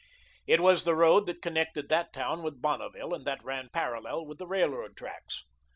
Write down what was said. It was the road that connected that town with Bonneville and that ran parallel with the railroad tracks.